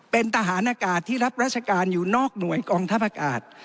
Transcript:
เป็นทหารอากาศที่รับราชการอยู่นอกหน่วยกองทัพอากาศ